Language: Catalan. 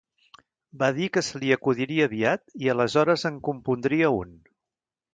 Va dir que se li acudiria aviat i aleshores en compondria un.